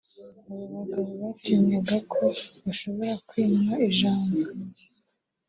Abo bagabo batinyaga ko bashobora kwimwa ijambo